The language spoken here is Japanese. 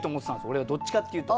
俺はどっちかって言うと。